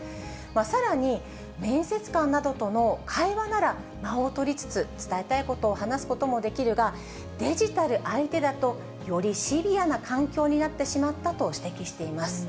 さらに、面接官などとの会話なら間を取りつつ、伝えたいことを話すこともできるが、デジタル相手だと、よりシビアな環境になってしまったと指摘しています。